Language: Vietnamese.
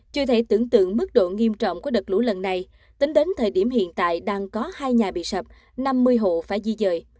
chưa thể tưởng tượng mức độ nghiêm trọng của đợt lũ lần này tính đến thời điểm hiện tại đang có hai nhà bị sập năm mươi hộ phải di dời